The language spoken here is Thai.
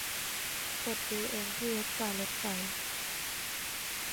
กดดูเองที่เว็บการถไฟ